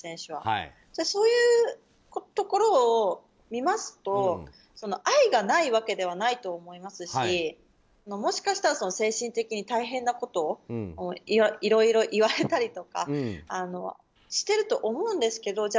そういうところを見ますと愛がないわけではないと思いますしもしかしたら精神的に大変なことをいろいろ言われたりとかしてると思うんですけど。